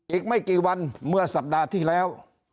อีกไม่กี่วันเมื่อสัปดาห์ที่แล้ว